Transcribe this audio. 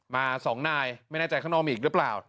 มา๒นายไม่แน่ใจข้างนอกมีอีกหรือเปล่า